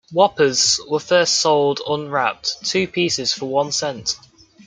Whoppers were first sold unwrapped, two pieces for one cent.